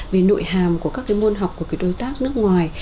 về nội hàm của các cái môn học của cái đối tác nước ngoài